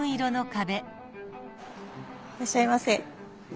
いらっしゃいませ。